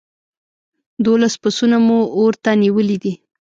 دوولس پسونه مو اور ته نيولي دي.